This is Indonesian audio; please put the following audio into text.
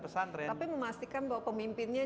pesan tren tapi memastikan bahwa pemimpinnya